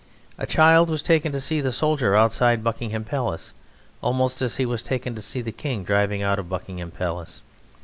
A child was taken to see the soldier outside Buckingham Palace almost as he was taken to see the King driving out of Buckingham Palace.